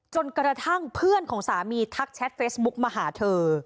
จนกระทั่งเพื่อนของสามีทักแชทเฟซบุ๊กมาหาเธอ